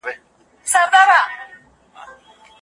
هغه د بې ګناه وينې تويېدل نه زغمله.